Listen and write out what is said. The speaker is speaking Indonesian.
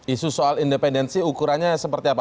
isu soal independensi ukurannya seperti apa